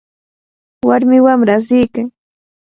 Warmi wamra asiykan.